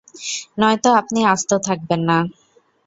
নয়তো আপনি আস্তো থাকবেন না।